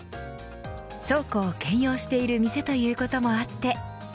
倉庫を兼用している店ということもあって。